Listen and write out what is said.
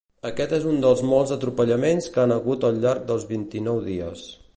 Aquest és un dels molts atropellaments que han hagut al llarg dels vint-i-nou dies.